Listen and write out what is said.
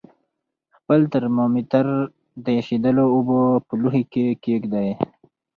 خپل ترمامتر د ایشېدلو اوبو په لوښي کې کیږدئ.